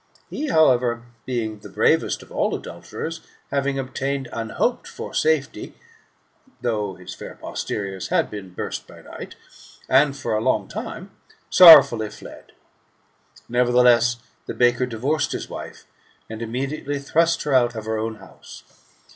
He, however, being the bravest of all adulterers, having obtained unhoped for safety, though his fair posteriors liad been burst by night, and for a long time, sorrowfully fled. Nevertheless, the baker divorced his wife, and immediately thrust her out of her own house.